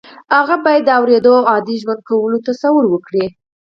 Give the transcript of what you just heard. هغه باید د اورېدو او عادي ژوند کولو تصور وکړي